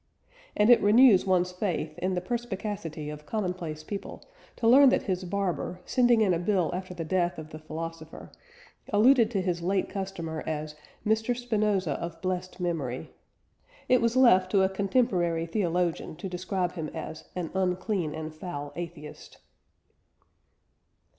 And it renews one's faith in the perspicacity of commonplace people to learn that his barber, sending in a bill after the death of the philosopher, alluded to his late customer as "Mr. Spinoza of blessed memory." It was left to a contemporary theologian to describe him as "an unclean and foul atheist."